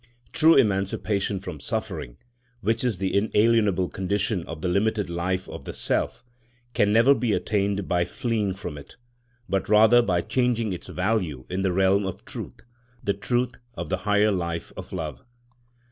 True emancipation from suffering, which is the inalienable condition of the limited life of the self, can never be attained by fleeing from it, but rather by changing its value in the realm of truth—the truth of the higher life of love.